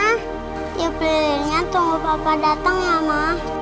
yuk ke yoprilinnya tunggu papa dateng ya ma